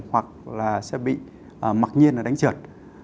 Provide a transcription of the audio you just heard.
hoặc là sẽ bị mặc nhiên là đánh trượt